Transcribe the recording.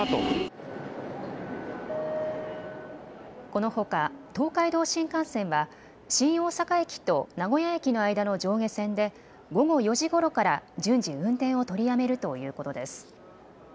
このほか東海道新幹線は新大阪駅と名古屋駅の間の上下線で午後４時ごろから順次、運転を取りやめるということです。